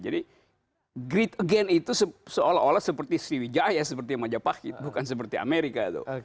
jadi grid again itu seolah olah seperti sriwijaya seperti majapahit bukan seperti amerika